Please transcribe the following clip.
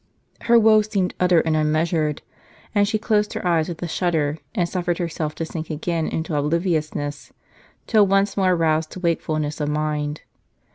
Her woe seemed utter and unmeasured; and she closed her eyes with a shudder, and suffered herself to sink again into obliviousness, till once more roused to wakefulness of mind.